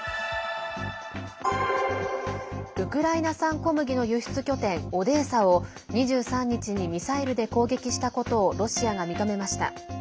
ウクライナ産小麦の輸出拠点オデーサを２３日にミサイルで攻撃したことをロシアが認めました。